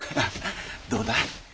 どうだ？